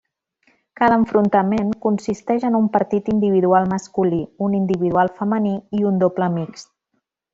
Cada enfrontament consisteix en un partit individual masculí, un individual femení i un doble mixt.